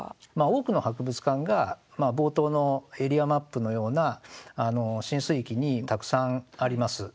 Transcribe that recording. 多くの博物館が冒頭のエリアマップのような浸水域にたくさんあります。